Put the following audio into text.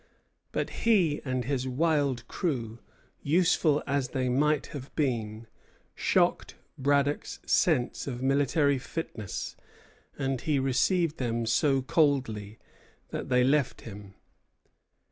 But he and his wild crew, useful as they might have been, shocked Braddock's sense of military fitness; and he received them so coldly that they left him.